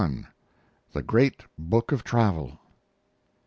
] LXXI. THE GREAT BOOK OF TRAVEL.